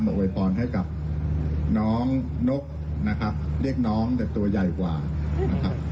อวยพรให้กับน้องนกนะครับเรียกน้องแต่ตัวใหญ่กว่านะครับ